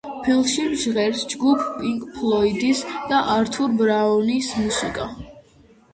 ფილმში ჟღერს ჯგუფ პინკ ფლოიდის და ართურ ბრაუნის მუსიკა.